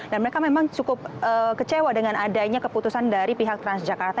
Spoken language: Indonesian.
dan mereka memang cukup kecewa dengan adanya keputusan dari pihak transjakarta